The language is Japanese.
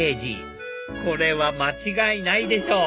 これは間違いないでしょ！